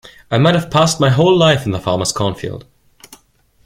I might have passed my whole life in the farmer's cornfield.